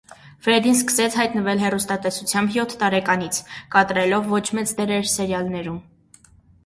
Ֆրեդին սկսեց հայտնվել հեռուստատեսությամբ յոթ տարեկանից, կատարելով ոչ մեծ դերեր սերիալներում։